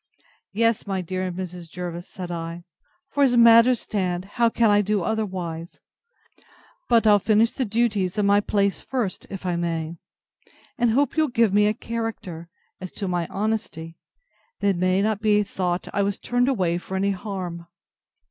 Yes, my dear Mrs. Jervis, said I; for, as matters stand, how can I do otherwise?—But I'll finish the duties of my place first, if I may; and hope you'll give me a character, as to my honesty, that it may not be thought I was turned away for any harm.